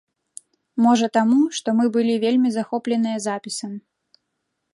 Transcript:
Можа таму, што мы былі вельмі захопленыя запісам.